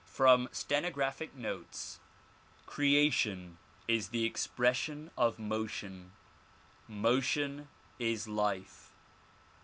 From Stenographic Notes CREATION is the expression of motion. Motion is life.